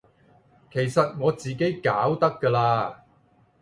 其實我自己搞得㗎喇